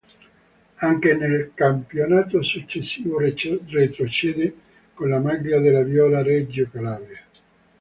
Anche nel campionato successivo retrocede, con la maglia della Viola Reggio Calabria.